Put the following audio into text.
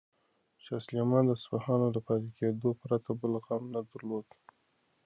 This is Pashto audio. شاه سلیمان د اصفهان له پاتې کېدو پرته بل غم نه درلود.